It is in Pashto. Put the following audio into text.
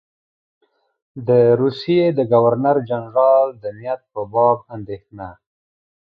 د روسیې د ګورنر جنرال د نیت په باب اندېښنه.